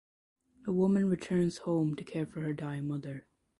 A woman returns home to care for her dying mother.